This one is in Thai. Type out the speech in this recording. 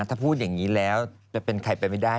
ถ้าพูดอย่างนี้แล้วจะเป็นใครไปไม่ได้